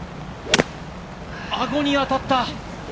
アゴに当たった！